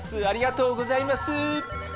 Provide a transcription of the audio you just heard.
ありがとうございます！